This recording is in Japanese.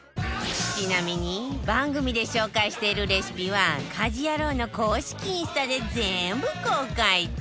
ちなみに番組で紹介しているレシピは『家事ヤロウ！！！』の公式インスタで全部公開中